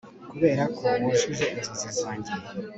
kuberako, wujuje inzozi zanjye